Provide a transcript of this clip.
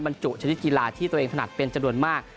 บรรจุชนิดกีฬาที่ตัวเองถนัดเป็นจำนวนมาก